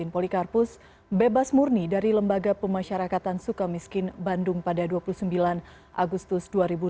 polikarpus bebas murni dari lembaga pemasyarakatan suka miskin bandung pada dua puluh sembilan agustus dua ribu dua puluh